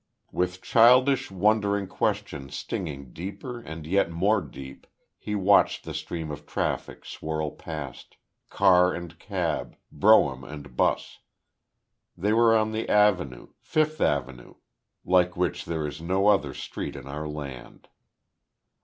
With childish, wondering question stinging deeper and yet more deep, he watched the stream of traffic swirl past car and cab, brougham and 'bus. They were on the Avenue Fifth Avenue, like which there is no other street in our land.